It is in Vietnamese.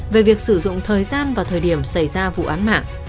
về việc sử dụng thời gian vào thời điểm xảy ra vụ án mạng